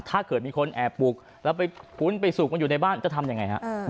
ถ้าเกิดมีคนแอบปลูกแล้วไปคุ้นไปสุกมันอยู่ในบ้านจะทำยังไงฮะ